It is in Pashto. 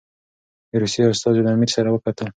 د روسیې استازي له امیر سره وکتل.